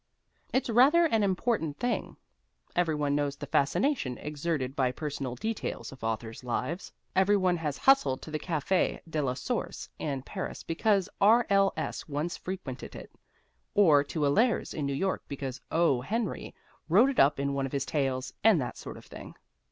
It's rather an important thing. Every one knows the fascination exerted by personal details of authors' lives. Every one has hustled to the Café de la Source in Paris because R.L.S. once frequented it, or to Allaire's in New York because O. Henry wrote it up in one of his tales, and that sort of thing.